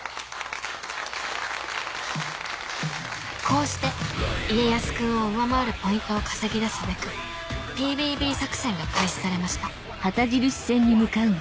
こうして家康君を上回るポイントを稼ぎ出すべく ＰＢＢ 作戦が開始されました